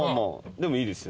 でもいいですよ